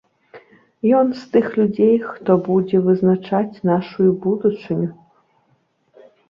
Ён з тых людзей, хто будзе вызначаць нашую будучыню.